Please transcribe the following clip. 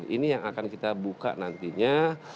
ini yang akan kita buka nantinya